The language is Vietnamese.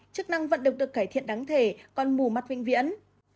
chức năng vận động được cải thiện đáng thể còn mù mắt vinh viễn